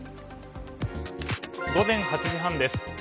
午前８時半です。